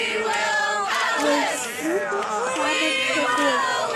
Уажә ӡыхәашьк саман сагоит.